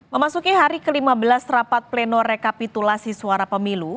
memasuki hari ke lima belas rapat pleno rekapitulasi suara pemilu